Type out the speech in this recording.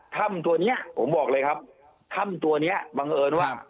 ถ้ำตัวเนี้ยผมบอกเลยครับถ้ำตัวเนี้ยบังเอิญว่า